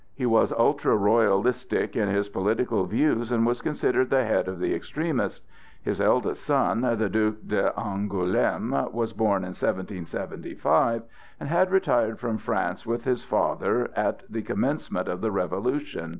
He was ultra Royalistic in his political views and was considered the head of the extremists. His eldest son, the Duc d'Angoulême, was born in 1775, and had retired from France with his father at the commencement of the Revolution.